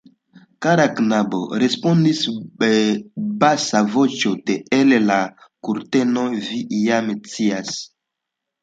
Kara knabo, respondis basa voĉo de el la kurtenoj, vi jam scias.